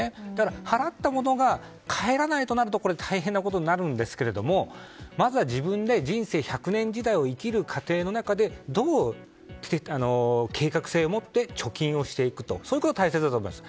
払ったものが返らないとなると大変なことになるんですがまずは自分で人生１００年時代を生きる過程の中でどう計画性を持って貯金をしていくかが大切だと思います。